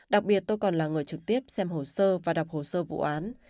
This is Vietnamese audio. đặc biệt tôi còn là người trực tiếp xem hồ sơ và đọc hồ sơ vụ án